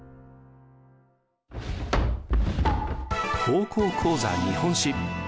「高校講座日本史」。